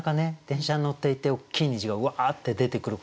電車に乗っていて大きい虹がうわって出てくること